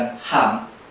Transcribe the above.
pemulihan hak para korban